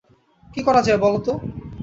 কী করা যায় বল তো?